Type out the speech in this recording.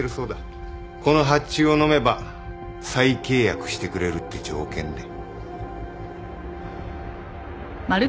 この発注をのめば再契約してくれるって条件で。